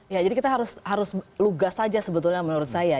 ya jadi kita harus lugas saja sebetulnya menurut saya